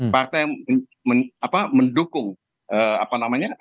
partai mendukung apa namanya